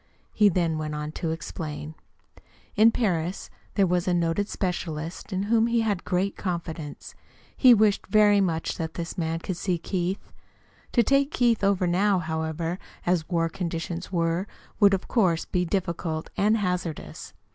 He then went on to explain. In Paris there was a noted specialist in whom he had great confidence. He wished very much that this man could see Keith. To take Keith over now, however, as war conditions were, would, of course, be difficult and hazardous.